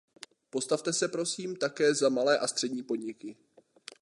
Postavte se, prosím, také za malé a střední podniky.